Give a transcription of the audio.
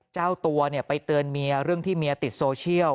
เจ้าตัวไปเตือนเมียเรื่องที่เมียติดโซเชียล